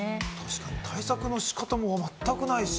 対策の仕方もまったくないし。